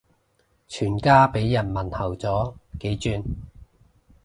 全家俾人問候咗幾轉